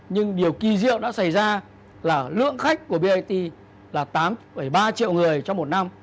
nhưng điều kỳ diệu đã xảy ra là lượng khách của bit là tám ba triệu người trong một năm